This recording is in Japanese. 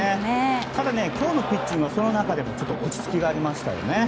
ただね、今日のピッチングはその中でもちょっと落ち着きがありましたよね。